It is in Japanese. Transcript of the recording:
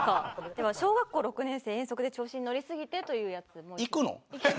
では「小学校６年生遠足で調子に乗りすぎて」というやつ。